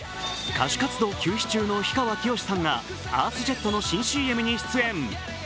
歌手活動休止中の氷川きよしさんがアースジェットの新ＣＭに出演。